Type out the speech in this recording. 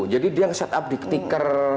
jadi dia set up di ticker